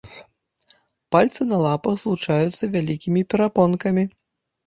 Пальцы на лапах злучаюцца вялікімі перапонкамі.